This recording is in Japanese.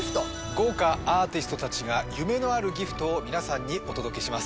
豪華アーティストたちが夢のあるギフトを皆さんにお届けします